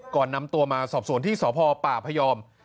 ก่อนนำตัวมาสอบสวนที่สพป่าพยอม